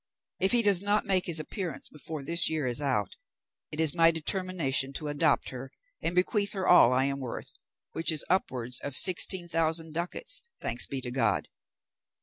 If he does not make his appearance before this year is out, it is my determination to adopt her and bequeath her all I am worth, which is upwards of sixteen thousand ducats, thanks be to God.